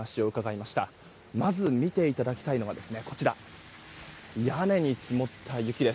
まず見ていただきたいのは屋根に積もった雪です。